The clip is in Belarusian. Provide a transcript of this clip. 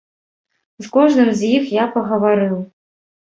З кожным з іх я пагаварыў.